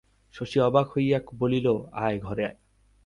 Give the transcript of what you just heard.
শশী অবাক হইয়া বলিল, আয় ঘরে আয়।